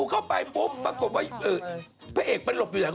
เอาล่ะค่ะสวัสดีค่ะ